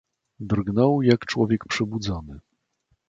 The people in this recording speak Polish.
"Drgnął jak człowiek przebudzony."